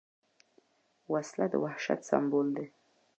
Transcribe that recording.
وسله د وحشت سمبول ده